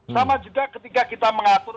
sama juga ketika kita mengatur